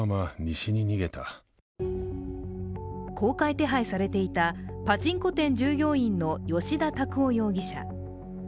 公開手配されていたパチンコ店従業員の葭田拓央容疑者。